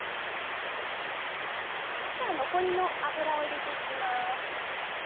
そうしたら残りの油を入れていきます。